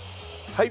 はい。